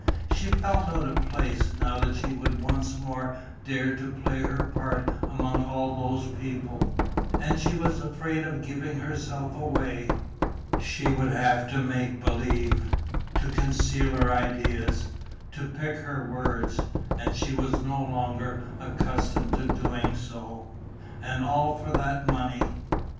She felt out of place, now that she would once more dare to play her part among all those people; and she was afraid of giving herself away. She would have to make believe, to conceal her ideas, to pick her words; and she was no longer accustomed to doing so. And all for that money.